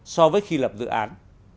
so với khi lập dự án